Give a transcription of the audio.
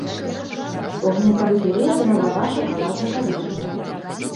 У гнездавы перыяд галава шакаладна-карычневая.